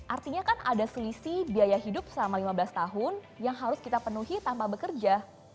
artinya kan ada selisih biaya hidup selama lima belas tahun yang harus kita penuhi tanpa bekerja